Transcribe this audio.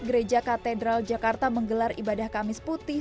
gereja katedral jakarta menggelar ibadah kamis putih